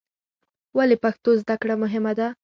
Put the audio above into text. ولې پښتو زده کړه مهمه ده؟